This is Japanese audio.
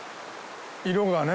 色がね。